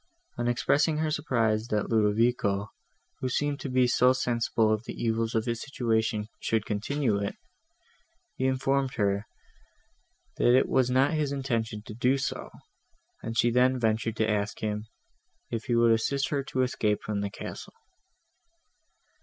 On expressing her surprise, that Ludovico, who seemed to be so sensible of the evils of his situation, should continue in it, he informed her, that it was not his intention to do so, and she then ventured to ask him, if he would assist her to escape from the castle.